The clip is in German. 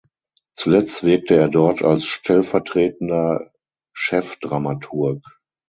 Zuletzt wirkte er dort als stellvertretender Chefdramaturg.